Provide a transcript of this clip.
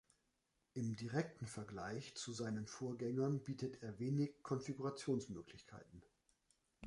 Im direkten Vergleich zu seinen Vorgängern bietet er wenig Konfigurationsmöglichkeiten.